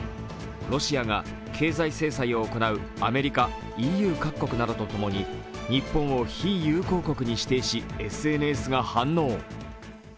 ロシアが経済制裁を行うアメリカ、ＥＵ各国とともに日本を非友好国に指定し、ＳＮＳが反応。